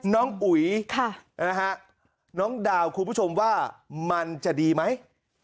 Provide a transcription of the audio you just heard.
น้องอุ๋ยครับน้องดาวค์คุณผู้ชมว่ามันจะดีไหม